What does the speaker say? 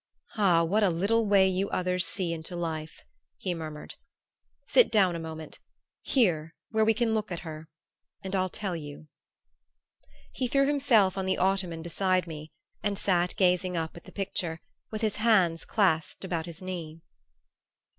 "Ah what a little way you others see into life!" he murmured. "Sit down a moment here, where we can look at her and I'll tell you." He threw himself on the ottoman beside me and sat gazing up at the picture, with his hands clasped about his knee.